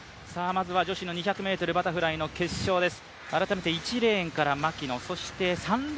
女子２００ｍバタフライの決勝です。